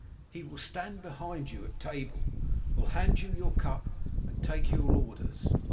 He will stand behind you at table, will hand you your cup and take your orders.